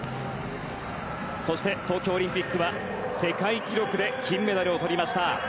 そして東京オリンピックは世界記録で金メダルを取りました。